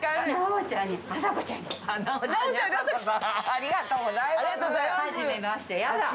ありがとうございます。